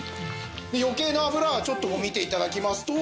余計な脂はちょっと見て頂きますと。